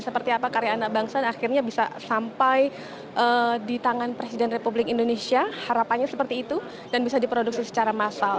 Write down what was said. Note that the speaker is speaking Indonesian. seperti apa karya anak bangsa dan akhirnya bisa sampai di tangan presiden republik indonesia harapannya seperti itu dan bisa diproduksi secara massal